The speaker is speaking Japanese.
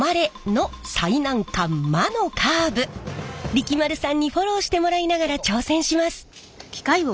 力丸さんにフォローしてもらいながら挑戦します。